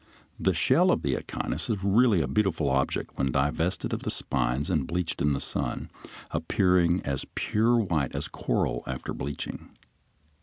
The shell of the Echinus is really a beautiful object when divested of the spines and bleached in the sun, appearing as pure white as coral after bleaching.